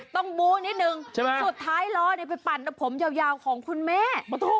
สุดท้ายล้อไปปั่นตัวผมยาวของคุณแม่